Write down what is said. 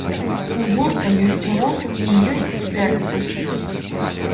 У гурта ёсць мозг і ёсць сэрца.